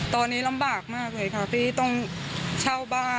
พี่ไม่รู้จะไปหาใครนะ